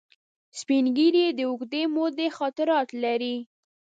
سپین ږیری د اوږدې مودې خاطرات لري